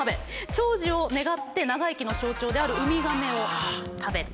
長寿を願って長生きの象徴であるウミガメを食べた。